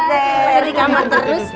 dari kamar terus kan